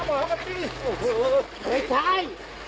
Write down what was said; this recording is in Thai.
โอ้ย